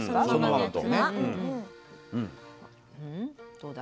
どうだ？